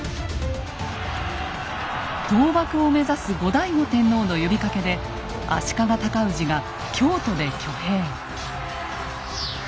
倒幕を目指す後醍醐天皇の呼びかけで足利尊氏が京都で挙兵。